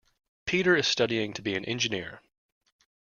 Peter is studying to be an engineer.